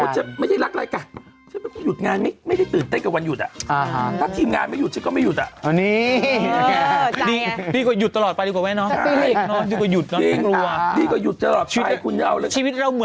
ใช่นะครับผมแล้วก็บรรยากาศสุดโรแมนติกนะครับ